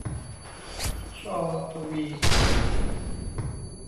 ช ทวี